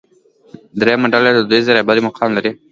درېیمه ډله د دودیزې رهبرۍ مقام لري.